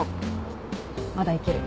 まだいける。